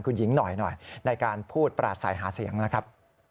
คุณหญิงหน่อยในการพูดปราศัยหาเสียงนะครับ